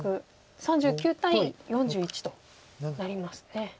３９対４１となりますね。